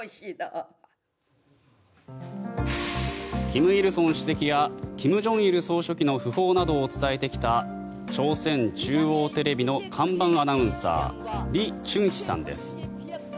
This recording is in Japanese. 金日成主席や金正日総書記などの訃報を伝えてきた朝鮮中央テレビの看板アナウンサーリ・チュンヒさんです。